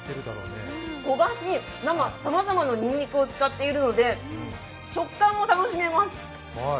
焦がし、生、さまざまなにんにくを使っているので食感も楽しめます。